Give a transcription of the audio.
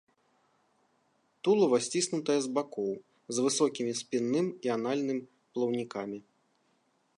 Тулава сціснутае з бакоў, з высокімі спінным і анальным плаўнікамі.